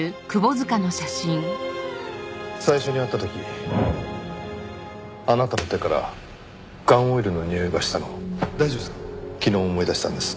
最初に会った時あなたの手からガンオイルのにおいがしたのを昨日思い出したんです。